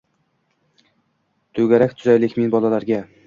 «To’garak tuzaylik, men bolalarga